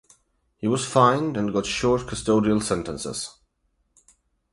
He was fined and got short custodial sentences.